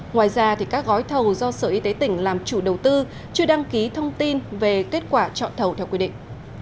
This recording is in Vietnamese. ngoài ra các gói thầu do sở y tế tỉnh làm chủ đầu tư chưa đăng ký thông tin về kết quả chọn thầu theo quy định